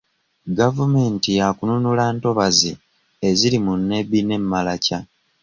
Gavumenti yaakununula ntobazi eziri mu Nebbi ne Maracha.